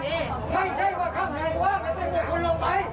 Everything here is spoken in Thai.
อย่างนี้ไม่ใช่ว่ายังไงก็หวังไหวไม่ได้จะคุณลงไป